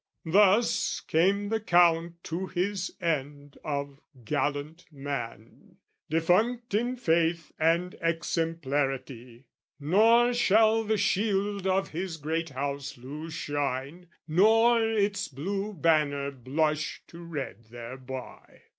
Thus "Came the Count to his end of gallant man, "Defunct in faith and exemplarity: "Nor shall the shield of his great House lose shine, "Nor its blue banner blush to red thereby.